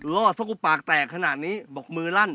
รอดที่ขบาวกแตกขนาดนี้บอกมือรั่น